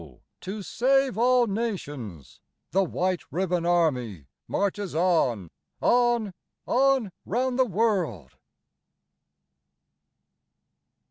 to save all nations the White Ribbon Army Marches on, on, on round the world.